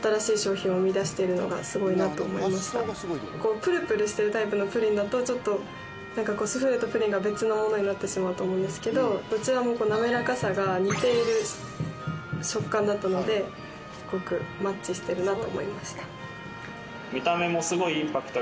プルプルしてるタイプのプリンだとちょっとなんかこうスフレとプリンが別のものになってしまうと思うんですけどどちらも滑らかさが似ている食感だったのですごくマッチしてるなと思いました。